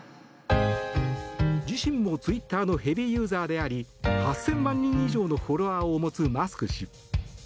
自身も、ツイッターのヘビーユーザーであり８０００万人以上のフォロワーを持つマスク氏。